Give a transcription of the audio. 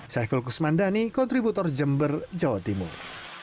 saya fulkus mandani kontributor jember jawa timur